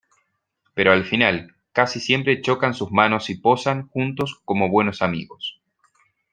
Pero al final, casi siempre chocan sus manos y posan juntos como buenos amigos.